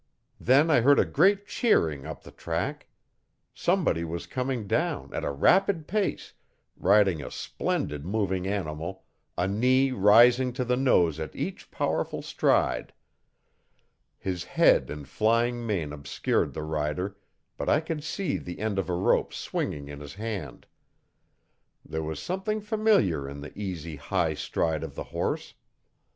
Then I heard a great cheering up the track. Somebody was coming down, at a rapid pace, riding a splendid moving animal, a knee rising to the nose at each powerful stride. His head and flying mane obscured the rider but I could see the end of a rope swinging in his hand. There was something familiar in the easy high stride of the horse.